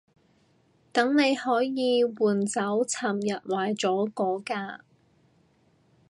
等你可以換走尋日壞咗嗰架